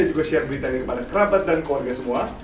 dan juga share berita ini kepada kerabat dan keluarga semua